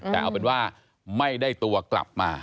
แต่เอาเป็นว่าไม่ได้ตัวกลับมา